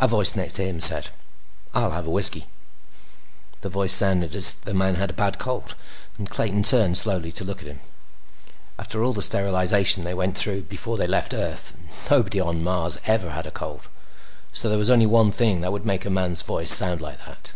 A voice next to him said: "I'll have a whiskey." The voice sounded as if the man had a bad cold, and Clayton turned slowly to look at him. After all the sterilization they went through before they left Earth, nobody on Mars ever had a cold, so there was only one thing that would make a man's voice sound like that.